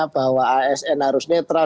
bahwa asn harus netral